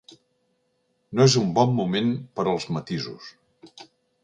No és un bon moment per als matisos.